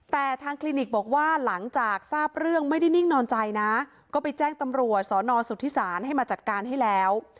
แต่ทางคลินิกบอกว่าหลังจากทราบเรื่องไม่ได้นิ่งนอนใจนะก็ไปแจ้งตำรวจสอนอสุทธิศาลให้มาจัดการให้แล้ว